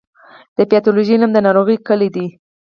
د پیتالوژي علم د ناروغیو کلي ده.